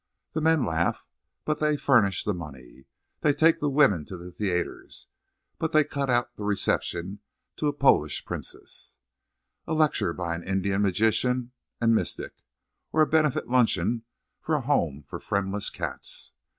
The men laugh, but they furnish the money. They take the women to the theaters, but they cut out the reception to a Polish princess, a lecture by an Indian magician and mystic, or a benefit luncheon for a Home for Friendless Cats.